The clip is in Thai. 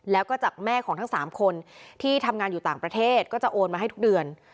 แล้วก็จากแม่ของทั้ง๓คนที่ทำงานอยู่ต่างประเทศก็จะโอนมาให้ทุกเดือน